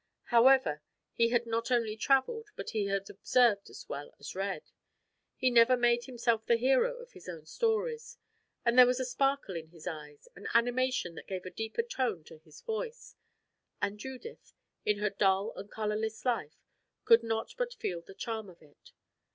However, he had not only traveled, but he had observed as well as read. He never made himself the hero of his own stories; and there was a sparkle in his eyes, an animation that gave a deeper tone to his voice, and Judith, in her dull and colorless life, could not but feel the charm of it.